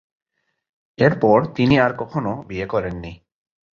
এরপর তিনি আর কখনও বিয়ে করেননি।